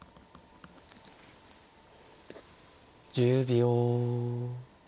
１０秒。